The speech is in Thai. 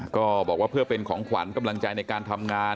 ก็บอกว่าเพื่อเป็นของขวัญกำลังใจในการทำงาน